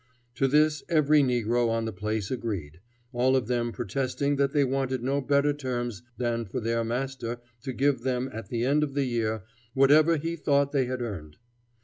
To this every negro on the place agreed, all of them protesting that they wanted no better terms than for their master to give them at the end of the year whatever he thought they had earned.